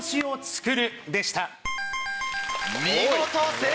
見事正解。